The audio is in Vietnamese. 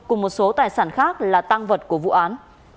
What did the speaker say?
cùng một số tài sản khác là tăng vật của vụ án